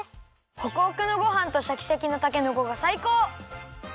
ホクホクのごはんとシャキシャキのたけのこがさいこう！